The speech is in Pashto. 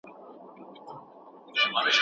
هغه د خوب په لټه کې خپلې سترګې پټې کړې.